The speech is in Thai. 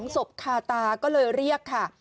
ศพคาตาก็เลยเรียกค่ะ